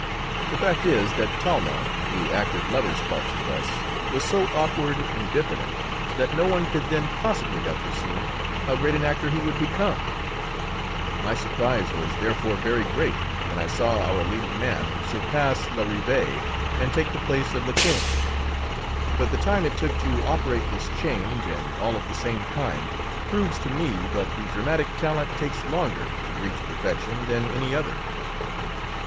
The fact is, that Talma, who acted lovers' parts with us, was so awkward and diffident that no one could then possibly have foreseen how great an actor he would become. My surprise was therefore very great when I saw our leading man surpass Larive and take the place of Lekain. But the time it took to operate this change, and all of the same kind, proves to me that the dramatic talent takes longer to reach perfection than any other.